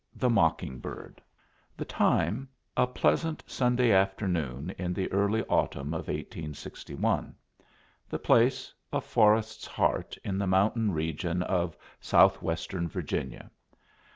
THE MOCKING BIRD The time, a pleasant Sunday afternoon in the early autumn of 1861. The place, a forest's heart in the mountain region of southwestern Virginia.